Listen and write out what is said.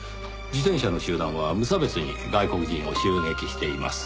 自転車の集団は無差別に外国人を襲撃しています。